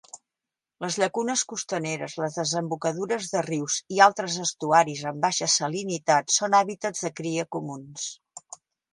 Les llacunes costaneres, les desembocadures de rius i altres estuaris amb baixa salinitat són habitats de cria comuns.